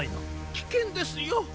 きけんですよ。